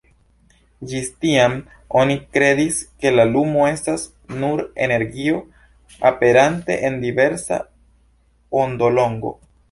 Ĝis tiam oni kredis, ke la lumo estas nur energio, aperante en diversa ondolongo.